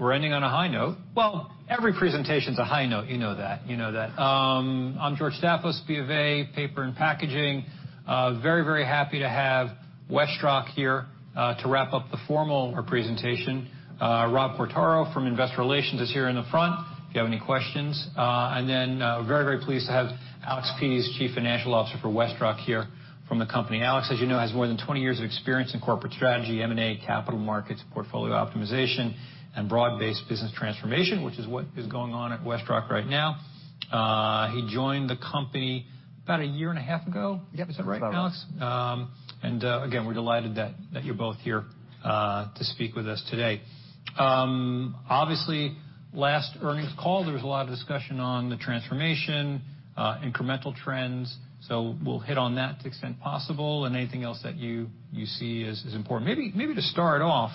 We're ending on a high note. Well, every presentation is a high note, you know that. I'm George Staphos, BofA, Paper and Packaging. Very, very happy to have WestRock here to wrap up the formal presentation. Rob Quartaro from investor relations is here in the front if you have any questions. Very, very pleased to have Alex Pease, Chief Financial Officer for WestRock here from the company. Alex, as you know, has more than 20 years of experience in corporate strategy, M&A, capital markets, portfolio optimization, and broad-based business transformation, which is what is going on at WestRock right now. He joined the company about a year and a half ago. Yep. Is that right, Alex? Again, we're delighted that you're both here to speak with us today. Obviously last earnings call, there was a lot of discussion on the transformation, incremental trends. We'll hit on that to the extent possible and anything else that you see as important. Maybe, maybe to start off,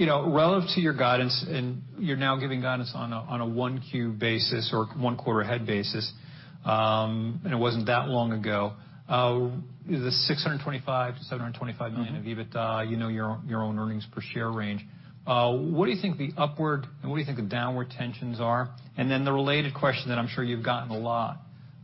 you know, relative to your guidance, and you're now giving guidance on a 1Q basis or one-quarter ahead basis, it wasn't that long ago. The $625 million-$725 million of EBITDA, you know, your own earnings per share range. What do you think the upward and what do you think the downward tensions are? The related question that I'm sure you've gotten a lot,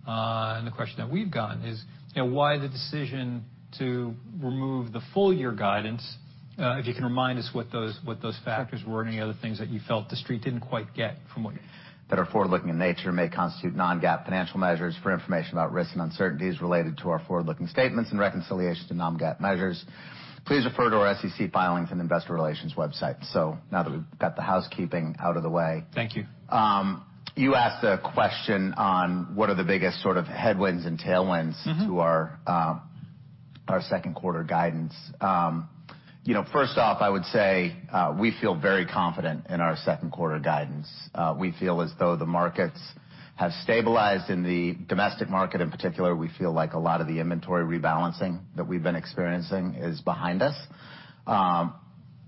and the question that we've gotten is, you know, why the decision to remove the full year guidance? If you can remind us what those factors were and any other things that you felt the Street didn't quite get from what you- That are forward-looking in nature may constitute non-GAAP financial measures. For information about risks and uncertainties related to our forward-looking statements and reconciliations to non-GAAP measures, please refer to our SEC filings and investor relations website. Now that we've got the housekeeping out of the way. Thank you. You asked a question on what are the biggest sort of headwinds and tailwinds. Mm-hmm. To our second quarter guidance. You know, first off, I would say, we feel very confident in our second quarter guidance. We feel as though the markets have stabilized. In the domestic market, in particular, we feel like a lot of the inventory rebalancing that we've been experiencing is behind us.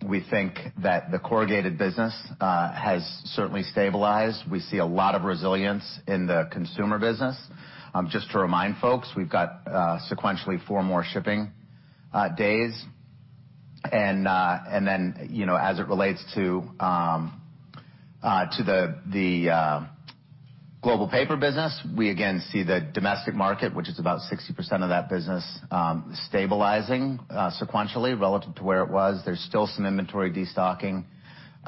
We think that the corrugated business has certainly stabilized. We see a lot of resilience in the consumer business. Just to remind folks, we've got sequentially four more shipping days. You know, as it relates to the global paper business, we again see the domestic market, which is about 60% of that business, stabilizing sequentially relative to where it was. There's still some inventory destocking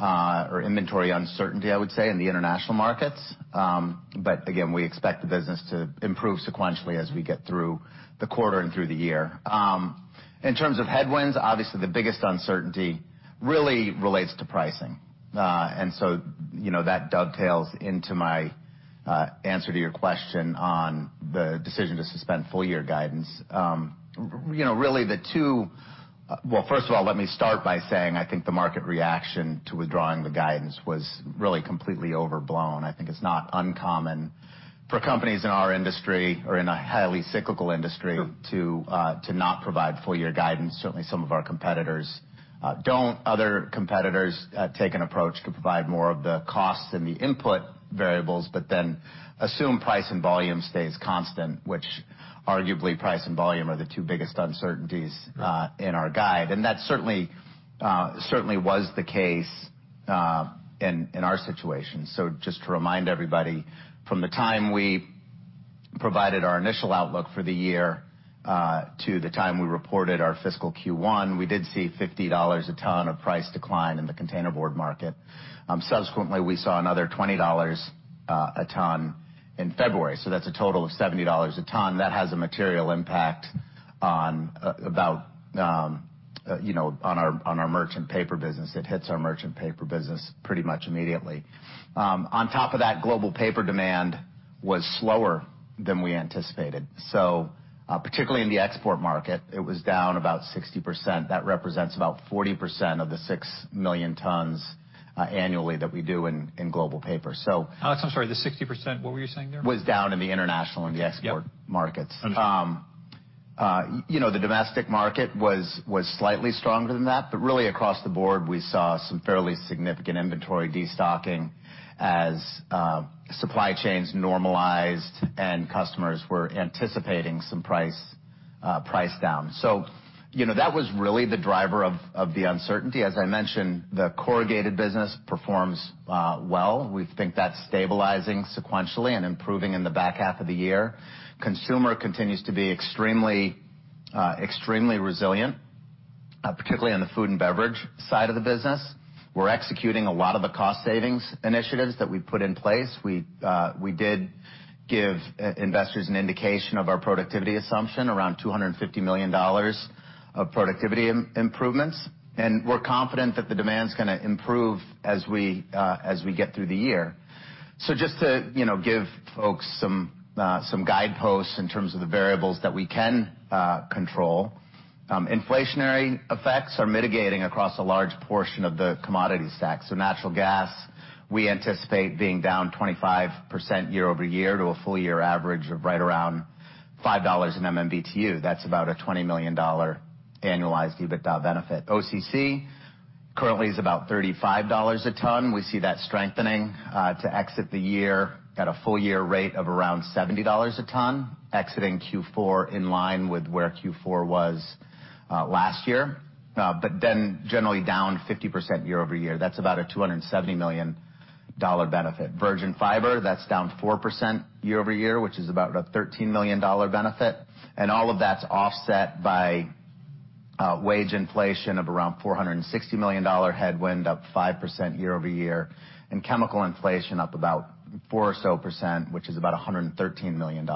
or inventory uncertainty, I would say, in the international markets. Again, we expect the business to improve sequentially as we get through the quarter and through the year. In terms of headwinds, obviously the biggest uncertainty really relates to pricing. You know, that dovetails into my answer to your question on the decision to suspend full year guidance. You know, really the two. Well, first of all, let me start by saying I think the market reaction to withdrawing the guidance was really completely overblown. I think it's not uncommon for companies in our industry or in a highly cyclical industry. Sure. To not provide full year guidance. Certainly, some of our competitors don't. Other competitors take an approach to provide more of the costs and the input variables, but then assume price and volume stays constant, which arguably price and volume are the two biggest uncertainties in our guide. That certainly was the case in our situation. Just to remind everybody, from the time we provided our initial outlook for the year, to the time we reported our fiscal Q1, we did see $50 a ton of price decline in the container board market. Subsequently, we saw another $20 a ton in February. That's a total of $70 a ton. That has a material impact on about, you know, on our merchant paper business. It hits our merchant paper business pretty much immediately. On top of that, global paper demand was slower than we anticipated. Particularly in the export market, it was down about 60%. That represents about 40% of the 6 million tons annually that we do in global paper. Alex, I'm sorry, the 60%, what were you saying there? Was down in the international and the export markets. Yep. Understood. You know, the domestic market was slightly stronger than that, really across the board, we saw some fairly significant inventory destocking as supply chains normalized and customers were anticipating some price price down. You know, that was really the driver of the uncertainty. As I mentioned, the corrugated business performs well. We think that's stabilizing sequentially and improving in the back half of the year. Consumer continues to be extremely resilient, particularly on the food and beverage side of the business. We're executing a lot of the cost savings initiatives that we put in place. We did give investors an indication of our productivity assumption, around $250 million of productivity improvements. We're confident that the demand's gonna improve as we get through the year. Just to, you know, give folks some guideposts in terms of the variables that we can control. Inflationary effects are mitigating across a large portion of the commodity stack. Natural gas, we anticipate being down 25% year-over-year to a full year average of right around $5 in MMBtu. That's about a $20 million annualized EBITDA benefit. OCC currently is about $35 a ton. We see that strengthening to exit the year at a full year rate of around $70 a ton, exiting Q4 in line with where Q4 was last year. Generally down 50% year-over-year. That's about a $270 million benefit. Virgin fiber, that's down 4% year-over-year, which is about a $13 million benefit. All of that's offset by wage inflation of around $460 million headwind, up 5% year-over-year, and chemical inflation up about 4% or so, which is about $113 million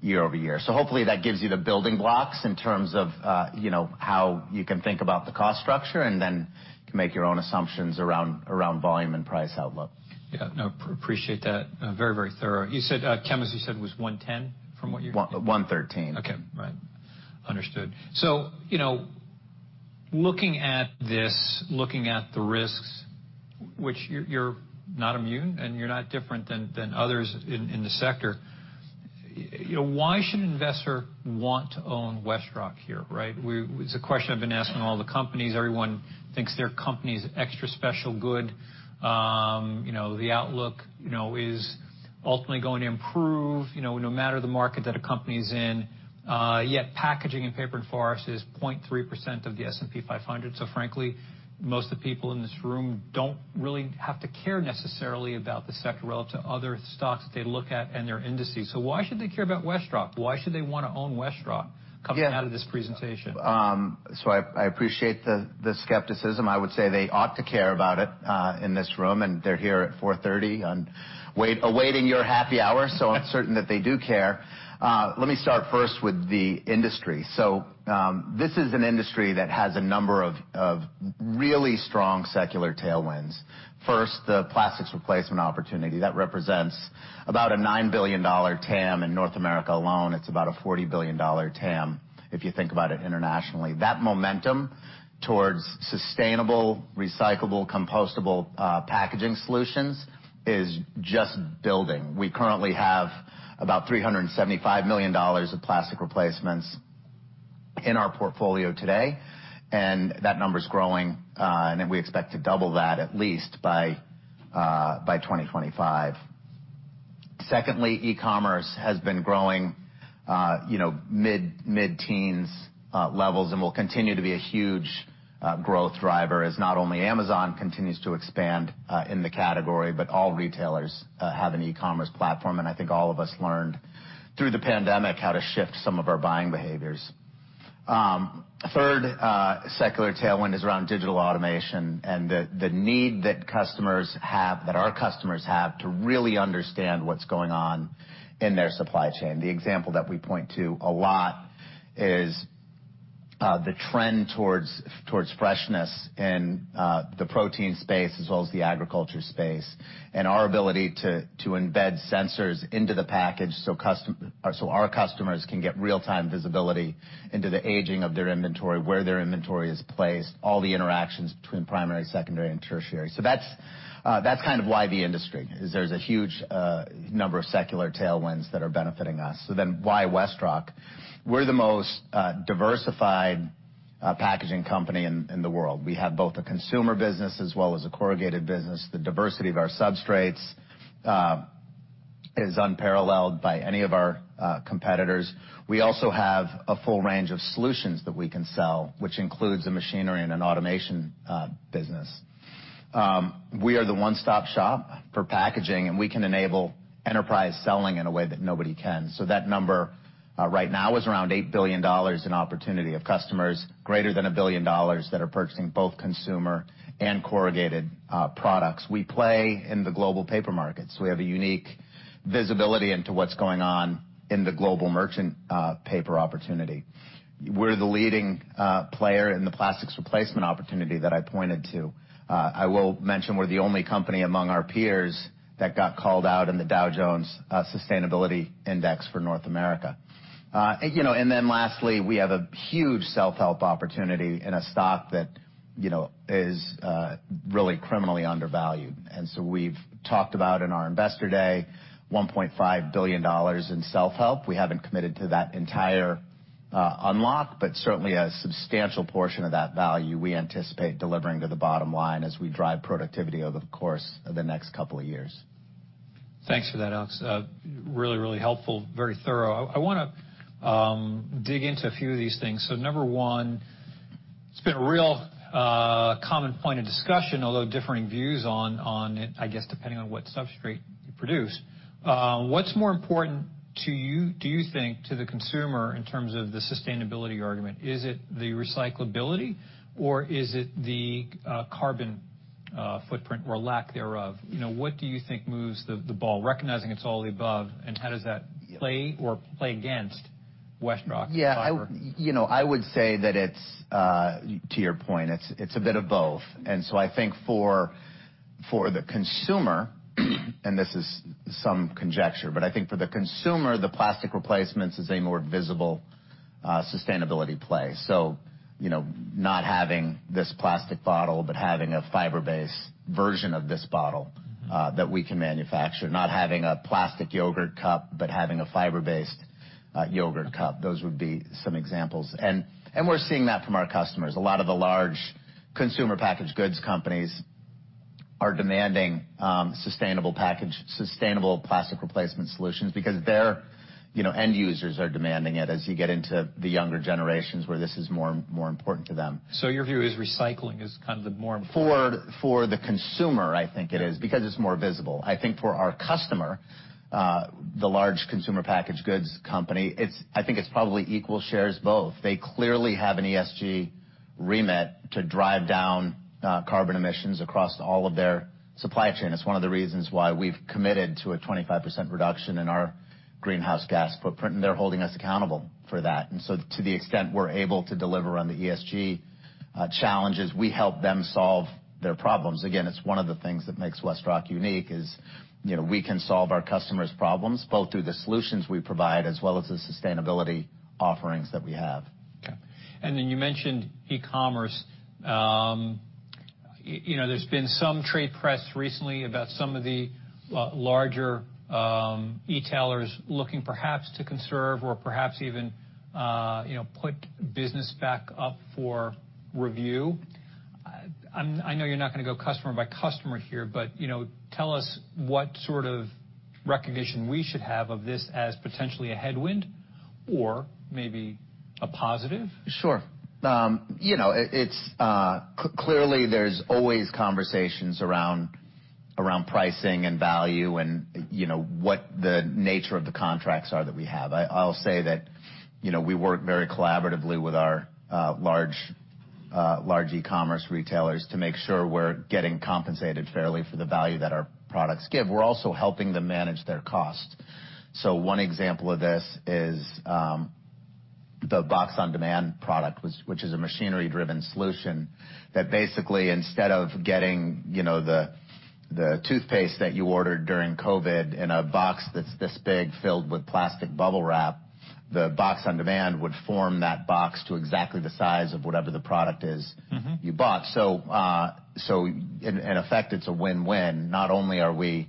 year-over-year. Hopefully that gives you the building blocks in terms of, you know, how you can think about the cost structure, and then you can make your own assumptions around volume and price outlook. Yeah. No, appreciate that. Very, very thorough. You said, chem as you said was 110. 113. Okay. Right. Understood. You know, looking at this, looking at the risks, which you're not immune and you're not different than others in the sector, you know, why should an investor want to own WestRock here, right? It's a question I've been asking all the companies. Everyone thinks their company is extra-special good. You know, the outlook, you know, is ultimately going to improve, you know, no matter the market that a company's in. Yet packaging and paper and forest is 0.3% of the S&P 500. Frankly, most of the people in this room don't really have to care necessarily about the sector relative to other stocks that they look at and their indices. Why should they care about WestRock? Why should they wanna own WestRock? Yeah. Coming out of this presentation? I appreciate the skepticism. I would say they ought to care about it, in this room, and they're here at 4:30 on awaiting your happy hour. I'm certain that they do care. Let me start first with the industry. This is an industry that has a number of really strong secular tailwinds. First, the plastics replacement opportunity. That represents about a $9 billion TAM in North America alone. It's about a $40 billion TAM if you think about it internationally. That momentum towards sustainable, recyclable, compostable packaging solutions is just building. We currently have about $375 million of plastic replacements in our portfolio today, and that number's growing, and we expect to double that at least by 2025. Secondly, e-commerce has been growing, you know, mid-teens levels, will continue to be a huge growth driver as not only Amazon continues to expand in the category, but all retailers have an e-commerce platform. I think all of us learned through the pandemic how to shift some of our buying behaviors. Third, secular tailwind is around digital automation and the need that our customers have to really understand what's going on in their supply chain. The example that we point to a lot is, the trend towards freshness in, the protein space as well as the agriculture space, and our ability to embed sensors into the package, so our customers can get real-time visibility into the aging of their inventory, where their inventory is placed, all the interactions between primary, secondary, and tertiary. That's, that's kind of why the industry, is there's a huge number of secular tailwinds that are benefiting us. Why WestRock? We're the most diversified packaging company in the world. We have both a consumer business as well as a corrugated business. The diversity of our substrates is unparalleled by any of our competitors. We also have a full range of solutions that we can sell, which includes a machinery and an automation business. We are the one-stop shop for packaging, and we can enable enterprise selling in a way that nobody can. That number right now is around $8 billion in opportunity of customers, greater than $1 billion that are purchasing both consumer and corrugated products. We play in the global paper market. We have a unique visibility into what's going on in the global merchant paper opportunity. We're the leading player in the plastics replacement opportunity that I pointed to. I will mention we're the only company among our peers that got called out in the Dow Jones Sustainability Index for North America. You know, lastly, we have a huge self-help opportunity in a stock that, you know, is really criminally undervalued. We've talked about in our investor day $1.5 billion in self-help. We haven't committed to that entire unlock, but certainly a substantial portion of that value we anticipate delivering to the bottom line as we drive productivity over the course of the next couple of years. Thanks for that, Alex. Really, really helpful. Very thorough. I wanna dig into a few of these things. Number one, it's been a real common point of discussion, although differing views on it, I guess, depending on what substrate you produce. What's more important to you, do you think, to the consumer in terms of the sustainability argument? Is it the recyclability or is it the carbon footprint or lack thereof? You know, what do you think moves the ball, recognizing it's all the above, and how does that play or play against WestRock's fiber? Yeah. You know, I would say that it's, to your point, it's a bit of both. I think for the consumer, and this is some conjecture, but I think for the consumer, the plastic replacements is a more visible, sustainability play. So, you know, not having this plastic bottle, but having a fiber-based version of this bottle, that we can manufacture. Not having a plastic yogurt cup, but having a fiber-based, yogurt cup. Those would be some examples. And we're seeing that from our customers. A lot of the large consumer packaged goods companies are demanding, sustainable package, sustainable plastic replacement solutions because their, you know, end users are demanding it as you get into the younger generations where this is more, more important to them. Your view is recycling is kind of the more important? For the consumer, I think it is because it's more visible. I think for our customer, the large consumer packaged goods company, I think it's probably equal shares both. They clearly have an ESG remit to drive down carbon emissions across all of their supply chain. It's one of the reasons why we've committed to a 25% reduction in our greenhouse gas footprint, and they're holding us accountable for that. To the extent we're able to deliver on the ESG challenges, we help them solve their problems. It's one of the things that makes WestRock unique is, you know, we can solve our customers' problems both through the solutions we provide as well as the sustainability offerings that we have. Okay. You mentioned e-commerce. You know, there's been some trade press recently about some of the larger e-tailers looking perhaps to conserve or perhaps even, you know, put business back up for review. I know you're not gonna go customer by customer here, but, you know, tell us what sort of recognition we should have of this as potentially a headwind or maybe a positive. Sure. You know, it's clearly there's always conversations around pricing and value and, you know, what the nature of the contracts are that we have. I'll say that, you know, we work very collaboratively with our large large e-commerce retailers to make sure we're getting compensated fairly for the value that our products give. We're also helping them manage their cost. One example of this is the Box On Demand product, which is a machinery-driven solution that basically, instead of getting, you know, the toothpaste that you ordered during COVID in a box that's this big filled with plastic bubble wrap, the Box On Demand would form that box to exactly the size of whatever the product is. Mm-hmm. -you bought. In effect, it's a win-win. Not only are we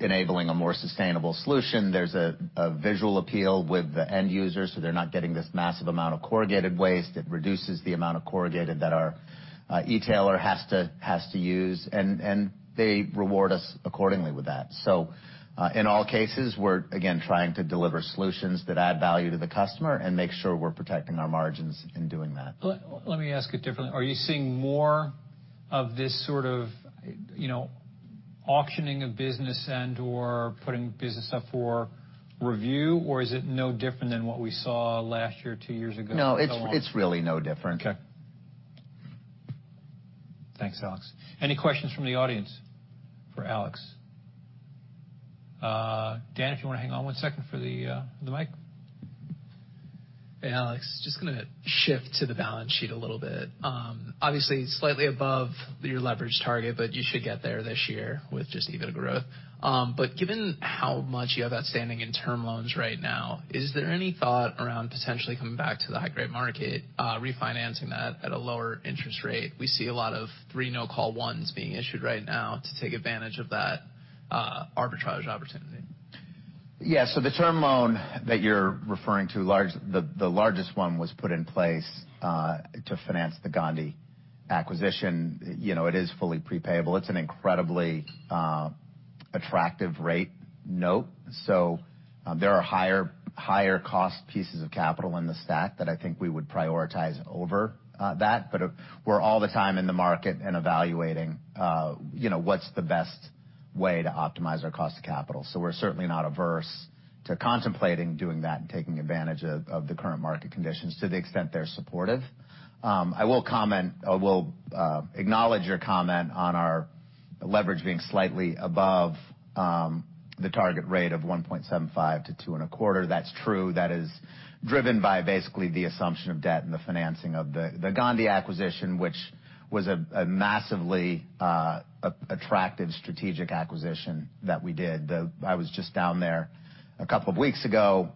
enabling a more sustainable solution, there's a visual appeal with the end user, so they're not getting this massive amount of corrugated waste. It reduces the amount of corrugated that our e-tailer has to use, and they reward us accordingly with that. In all cases, we're again trying to deliver solutions that add value to the customer and make sure we're protecting our margins in doing that. Let me ask it differently. Are you seeing more of this sort of, you know, auctioning of business and/or putting business up for review, or is it no different than what we saw last year, two years ago? No, it's really no different. Okay. Thanks, Alex. Any questions from the audience for Alex? Dan, if you wanna hang on one second for the mic. Hey, Alex, just gonna shift to the balance sheet a little bit. Obviously slightly above your leverage target, but you should get there this year with just even growth. Given how much you have outstanding in term loans right now, is there any thought around potentially coming back to the high-grade market, refinancing that at a lower interest rate? We see a lot of three no-call ones being issued right now to take advantage of that arbitrage opportunity. Yeah. The largest one was put in place to finance the Gondi acquisition. You know, it is fully pre-payable. It's an incredibly attractive rate note. There are higher-cost pieces of capital in the stack that I think we would prioritize over that. We're all the time in the market and evaluating, you know, what's the best way to optimize our cost of capital. We're certainly not averse to contemplating doing that and taking advantage of the current market conditions to the extent they're supportive. I will acknowledge your comment on our leverage being slightly above the target rate of 1.75-2.25. That's true. That is driven by basically the assumption of debt and the financing of the Gondi acquisition, which was a massively at-attractive strategic acquisition that we did. I was just down there a couple of weeks ago,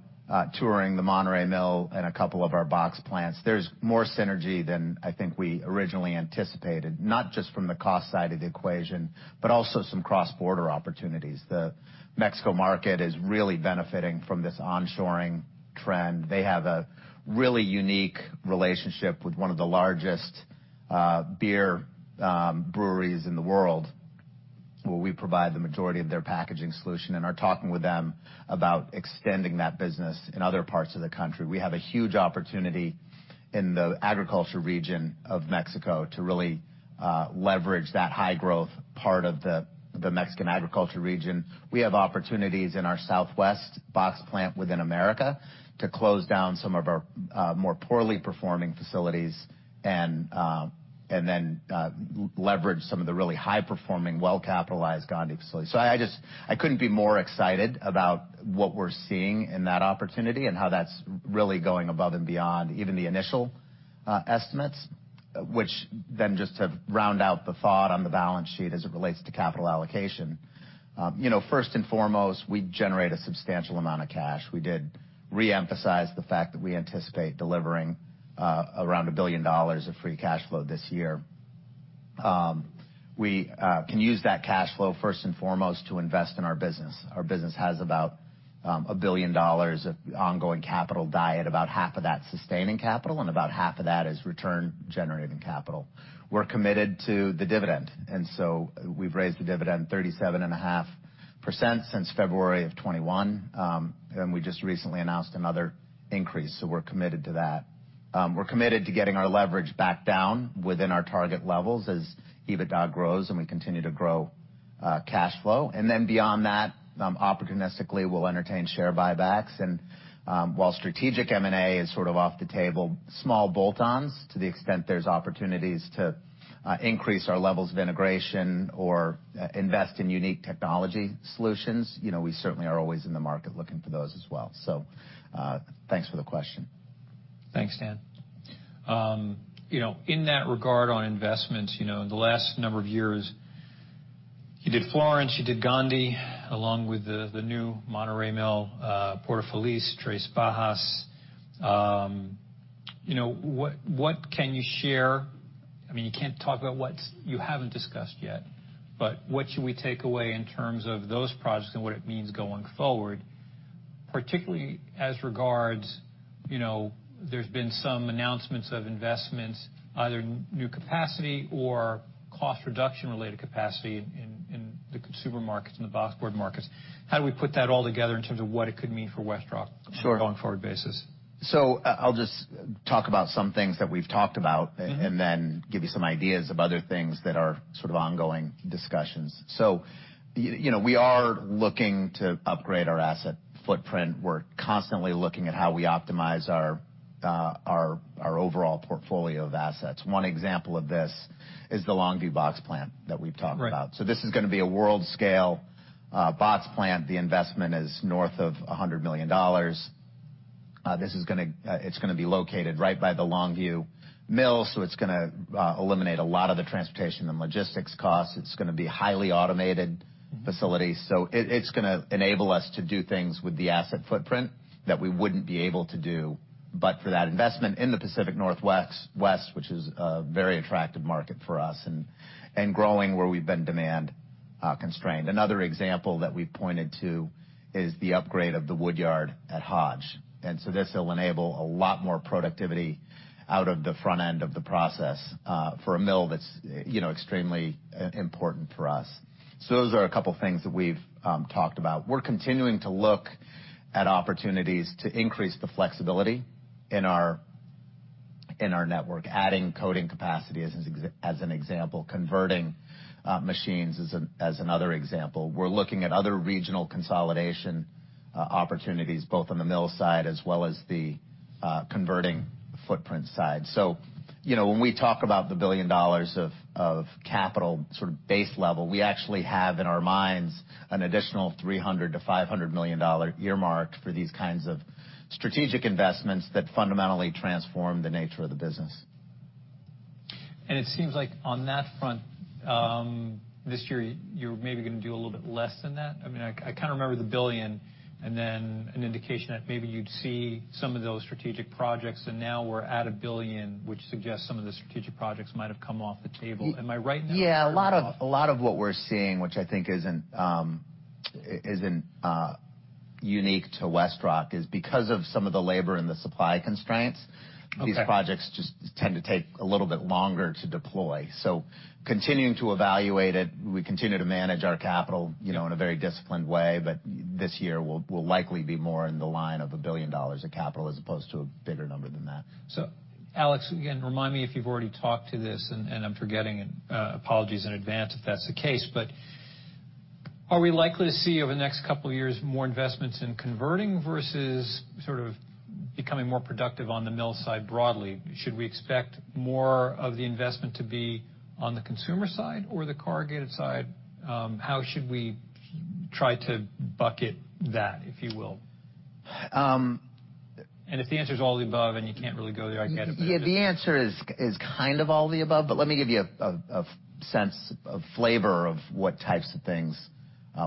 touring the Monterrey mill and a couple of our box plants. There's more synergy than I think we originally anticipated, not just from the cost side of the equation, but also some cross-border opportunities. The Mexico market is really benefiting from this onshoring trend. They have a really unique relationship with one of the largest beer breweries in the world, where we provide the majority of their packaging solution and are talking with them about extending that business in other parts of the country. We have a huge opportunity in the agriculture region of Mexico to really leverage that high-growth part of the Mexican agriculture region. We have opportunities in our Southwest box plant within America to close down some of our more poorly performing facilities and then leverage some of the really high-performing, well-capitalized Gondi facilities. I couldn't be more excited about what we're seeing in that opportunity and how that's really going above and beyond even the initial estimates, which then just to round out the thought on the balance sheet as it relates to capital allocation. You know, first and foremost, we generate a substantial amount of cash. We did reemphasize the fact that we anticipate delivering around $1 billion of free cash flow this year. We can use that cash flow first and foremost to invest in our business. Our business has about $1 billion of ongoing capital diet, about half of that's sustaining capital, and about half of that is return-generating capital. We're committed to the dividend. We've raised the dividend 37.5% since February of 2021. We just recently announced another increase, so we're committed to that. We're committed to getting our leverage back down within our target levels as EBITDA grows and we continue to grow cash flow. Beyond that, opportunistically we'll entertain share buybacks. While strategic M&A is sort of off the table, small bolt-ons to the extent there's opportunities to increase our levels of integration or invest in unique technology solutions, you know, we certainly are always in the market looking for those as well. Thanks for the question. Thanks, Dan. You know, in that regard on investments, you know, in the last number of years, you did Florence, you did Gondi, along with the new Monterrey mill, Porto Feliz, Três Barras. You know, what can you share? I mean, you can't talk about what's you haven't discussed yet, but what should we take away in terms of those projects and what it means going forward, particularly as regards, you know, there's been some announcements of investments, either new capacity or cost reduction related capacity in the consumer markets and the boxboard markets. How do we put that all together in terms of what it could mean for WestRock? Sure. On a going forward basis? I'll just talk about some things that we've talked about. Mm-hmm. Give you some ideas of other things that are sort of ongoing discussions. You know, we are looking to upgrade our asset footprint. We're constantly looking at how we optimize our overall portfolio of assets. One example of this is the Longview box plant that we've talked about. Right. This is gonna be a world scale, box plant. The investment is north of $100 million. It's gonna be located right by the Longview mill, so it's gonna eliminate a lot of the transportation and logistics costs. It's gonna be a highly automated facility. Mm-hmm. It's gonna enable us to do things with the asset footprint that we wouldn't be able to do, but for that investment in the Pacific Northwest, which is a very attractive market for us and growing where we've been demand constrained. Another example that we've pointed to is the upgrade of the wood yard at Hodge. This'll enable a lot more productivity out of the front end of the process for a mill that's, you know, extremely important for us. Those are a couple things that we've talked about. We're continuing to look at opportunities to increase the flexibility in our network, adding coating capacity as an example, converting machines as another example. We're looking at other regional consolidation opportunities both on the mill side as well as the converting footprint side. You know, when we talk about the $1 billion of capital, sort of base level, we actually have in our minds an additional $300 million-$500 million earmarked for these kinds of strategic investments that fundamentally transform the nature of the business. It seems like on that front, this year you're maybe gonna do a little bit less than that. I mean, I kinda remember the $1 billion and then an indication that maybe you'd see some of those strategic projects, and now we're at $1 billion, which suggests some of the strategic projects might have come off the table. Am I right in that characterization? Yeah. A lot of what we're seeing, which I think isn't unique to WestRock, is because of some of the labor and the supply constraints. Okay. These projects just tend to take a little bit longer to deploy. Continuing to evaluate it, we continue to manage our capital, you know, in a very disciplined way. This year will likely be more in the line of $1 billion of capital as opposed to a bigger number than that. Alex, again, remind me if you've already talked to this and I'm forgetting it, apologies in advance if that's the case, but are we likely to see over the next couple of years more investments in converting versus sort of becoming more productive on the mill side broadly? Should we expect more of the investment to be on the consumer side or the corrugated side? How should we try to bucket that, if you will? Um... If the answer is all of the above and you can't really go there, I get it. Yeah, the answer is kind of all the above. Let me give you a sense, a flavor of what types of things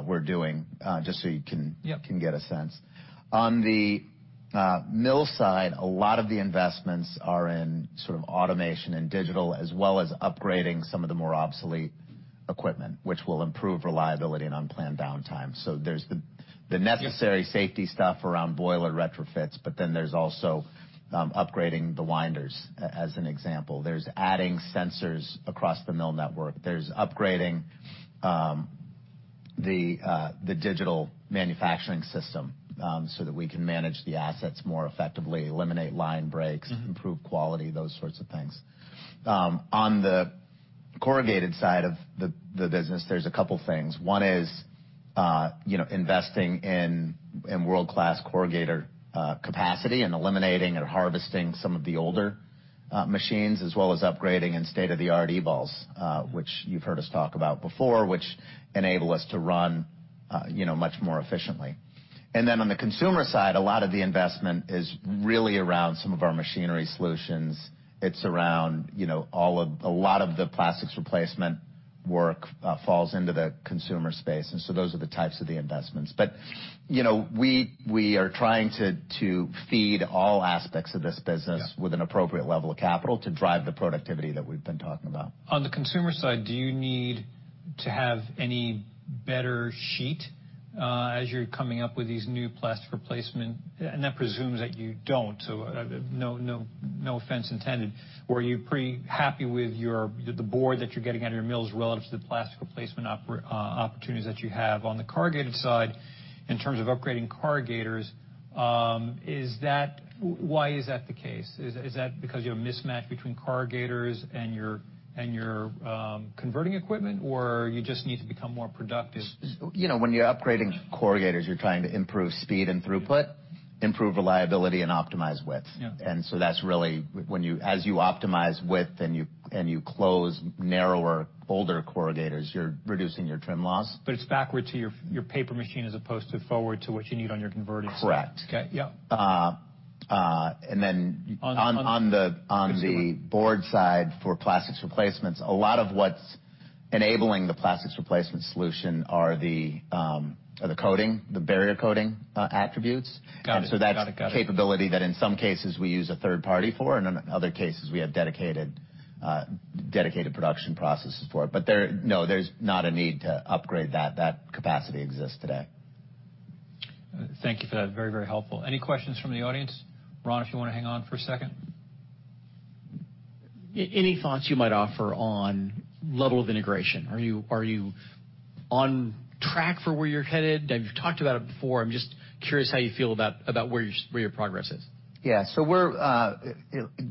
we're doing. Yep. Can get a sense. On the mill side, a lot of the investments are in sort of automation and digital, as well as upgrading some of the more obsolete equipment, which will improve reliability and unplanned downtime. There's the necessary safety stuff around boiler retrofits. There's also upgrading the winders as an example. There's adding sensors across the mill network. There's upgrading the digital manufacturing system so that we can manage the assets more effectively, eliminate line breaks. Mm-hmm. Improve quality, those sorts of things. On the corrugated side of the business, there's a couple things. One is, you know, investing in world-class corrugator capacity and eliminating and harvesting some of the older machines, as well as upgrading and state-of-the-art EVOs, which you've heard us talk about before, which enable us to run, you know, much more efficiently. Then on the consumer side, a lot of the investment is really around some of our machinery solutions. It's around, you know, a lot of the plastics replacement work, falls into the consumer space. So those are the types of the investments. You know, we are trying to feed all aspects of this business. Yeah. With an appropriate level of capital to drive the productivity that we've been talking about. On the consumer side, do you need to have any better sheet, as you're coming up with these new plastic replacement, and that presumes that you don't, no, no offense intended. Were you pretty happy with the board that you're getting out of your mills relative to the plastic replacement opportunities that you have on the corrugated side in terms of upgrading corrugators, why is that the case? Is that because you have a mismatch between corrugators and your converting equipment, or you just need to become more productive? You know, when you're upgrading corrugators, you're trying to improve speed and throughput, improve reliability, and optimize width. Yeah. That's really when you optimize width and you close narrower, older corrugators, you're reducing your trim loss. It's backward to your paper machine as opposed to forward to what you need on your converting side. Correct. Okay. Yeah. and then- On. On the board side for plastics replacements, a lot of what's enabling the plastics replacement solution are the coating, the barrier coating attributes. Got it. Got it, got it. That's capability that in some cases we use a third party for, and in other cases we have dedicated production processes for it. There, no, there's not a need to upgrade that. That capacity exists today. Thank you for that. Very, very helpful. Any questions from the audience? Ron, if you wanna hang on for a second. Any thoughts you might offer on level of integration. Are you on track for where you're headed? I've talked about it before. I'm just curious how you feel about where your progress is. We're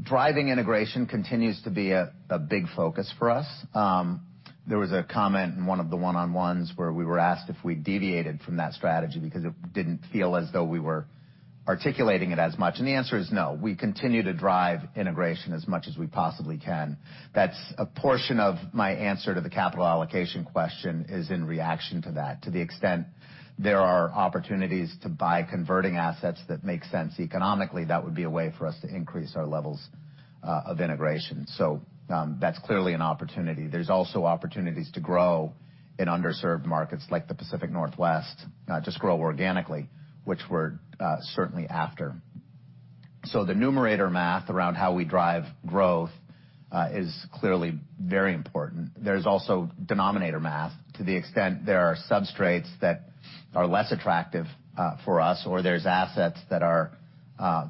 driving integration continues to be a big focus for us. There was a comment in one of the one-on-ones where we were asked if we deviated from that strategy because it didn't feel as though we were articulating it as much, and the answer is no. We continue to drive integration as much as we possibly can. That's a portion of my answer to the capital allocation question is in reaction to that. To the extent there are opportunities to buy converting assets that make sense economically, that would be a way for us to increase our levels of integration. That's clearly an opportunity. There's also opportunities to grow in underserved markets like the Pacific Northwest, just grow organically, which we're certainly after. The numerator math around how we drive growth is clearly very important. There's also denominator math to the extent there are substrates that are less attractive for us, or there's assets that are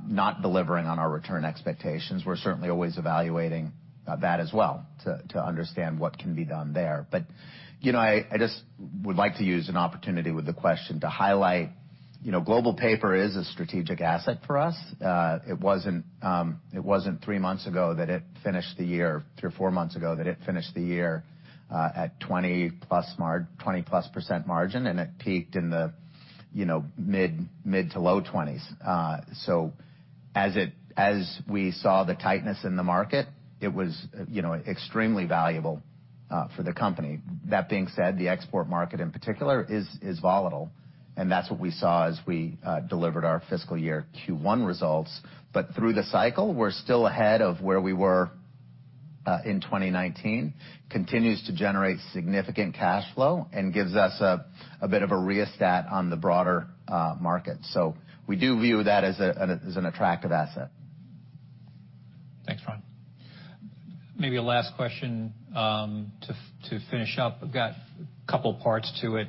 not delivering on our return expectations. We're certainly always evaluating that as well to understand what can be done there. You know, I just would like to use an opportunity with the question to highlight, you know, global paper is a strategic asset for us. It wasn't three months ago that it finished the year, or four months ago, that it finished the year at 20%+ margin, and it peaked in the, you know, mid to low 20s. As we saw the tightness in the market, it was, you know, extremely valuable for the company. That being said, the export market in particular is volatile, and that's what we saw as we delivered our fiscal year Q1 results. Through the cycle, we're still ahead of where we were in 2019. Continues to generate significant cash flow and gives us a bit of a rheostat on the broader market. We do view that as an attractive asset. Thanks, Ron. Maybe a last question to finish up. I've got a couple parts to it,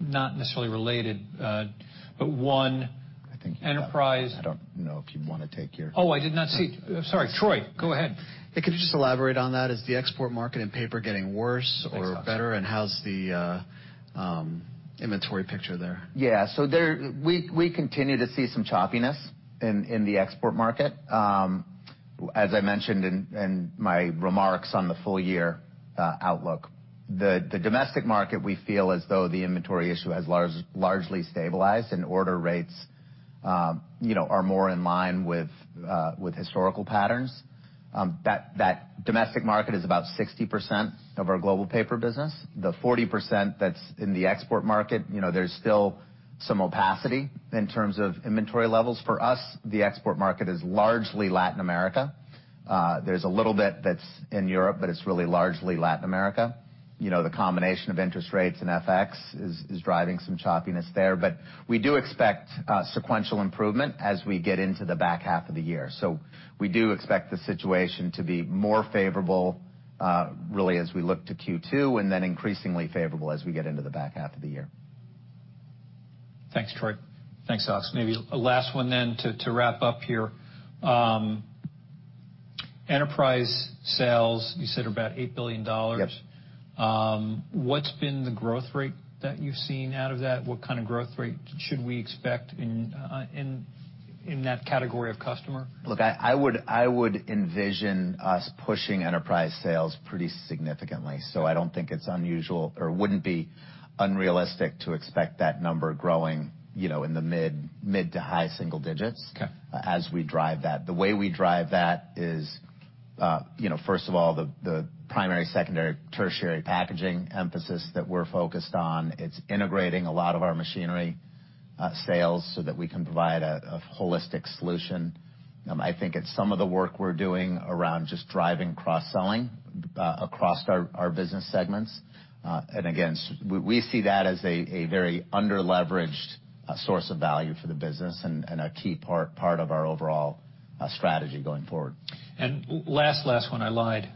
not necessarily related, but one... I think you've got Enterprise. I don't know if you wanna take. Oh, I did not see. Sorry, Troy, go ahead. Could you just elaborate on that? Is the export market in paper getting worse or better, and how's the inventory picture there? We continue to see some choppiness in the export market, as I mentioned in my remarks on the full year outlook. The domestic market, we feel as though the inventory issue has largely stabilized and order rates, you know, are more in line with historical patterns. That domestic market is about 60% of our global paper business. The 40% that's in the export market, you know, there's still some opacity in terms of inventory levels. For us, the export market is largely Latin America. There's a little bit that's in Europe, but it's really largely Latin America. You know, the combination of interest rates and FX is driving some choppiness there, but we do expect sequential improvement as we get into the back half of the year. We do expect the situation to be more favorable, really as we look to Q2, and then increasingly favorable as we get into the back half of the year. Thanks, Troy. Thanks, Alex. Maybe a last one then to wrap up here. Enterprise sales, you said about $8 billion. Yep. What's been the growth rate that you've seen out of that? What kind of growth rate should we expect in that category of customer? Look, I would envision us pushing enterprise sales pretty significantly. I don't think it's unusual or wouldn't be unrealistic to expect that number growing, you know, in the mid to high single digits. Okay As we drive that. The way we drive that is, you know, first of all, the primary, secondary, tertiary packaging emphasis that we're focused on. It's integrating a lot of our machinery sales so that we can provide a holistic solution. I think it's some of the work we're doing around just driving cross-selling across our business segments. Again, we see that as a very under-leveraged source of value for the business and a key part of our overall strategy going forward. Last one, I lied.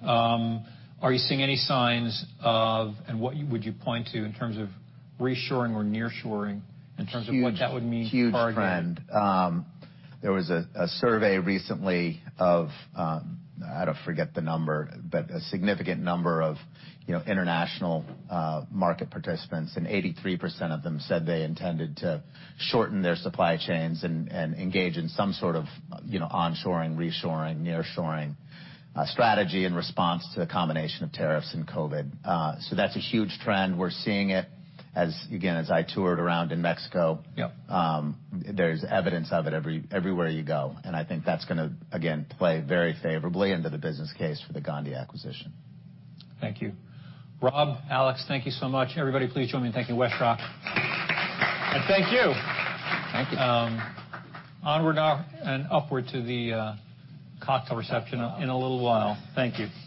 Are you seeing any signs of, and what would you point to in terms of reshoring or nearshoring in terms of what that would mean for [Argyle]? Huge, huge trend. There was a survey recently of, forget the number, but a significant number of, you know, international market participants, 83% of them said they intended to shorten their supply chains and engage in some sort of, you know, onshoring, reshoring, nearshoring strategy in response to the combination of tariffs and COVID. That's a huge trend. We're seeing it as, again, as I toured around in Mexico. Yep. There's evidence of it everywhere you go, and I think that's gonna, again, play very favorably into the business case for the Gondi acquisition. Thank you. Rob, Alex, thank you so much. Everybody, please join me in thanking WestRock. Thank you. Thank you. Onward and upward to the cocktail reception in a little while. Thank you.